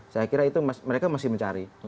saya kira itu mereka masih mencari